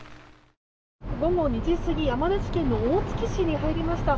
午後２時過ぎ山梨県の大月市に入りました。